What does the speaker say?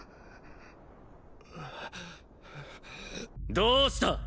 どうした！